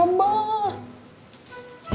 ya sini ina tuh goloknya